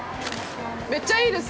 めっちゃいいです。